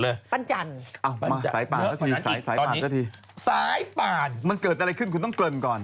สายป่านเจ้าทีมันเกิดอะไรขึ้นคุณต้องเกินก่อน